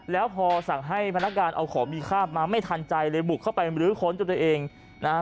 แล้วพอสั่งให้พนักงานเอาของมีค่ามาไม่ทันใจเลยบุกเข้าไปมรื้อค้นจนตัวเองนะฮะ